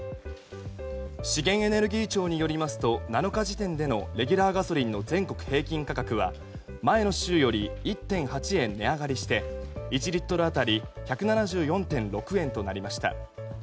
資源エネルギー庁によりますと７日時点でのレギュラーガソリンの全国平均価格は前の週より１．８円値上がりして１リットル当たり１７４．６円となりました。